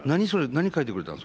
何書いてくれたの？